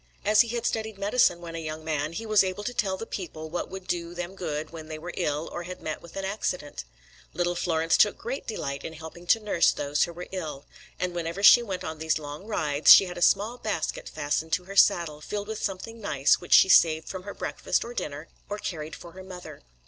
As he had studied medicine when a young man, he was able to tell the people what would do them good when they were ill or had met with an accident. Little Florence took great delight in helping to nurse those who were ill; and whenever she went on these long rides, she had a small basket fastened to her saddle, filled with something nice which she saved from her breakfast or dinner, or carried for her mother.